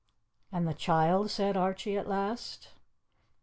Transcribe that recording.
"And the child?" said Archie at last.